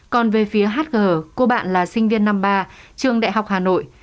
còn về phía hátg cô bạn là sinh viên năm ba trường đại học hà nội